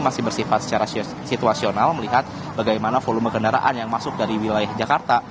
masih bersifat secara situasional melihat bagaimana volume kendaraan yang masuk dari wilayah jakarta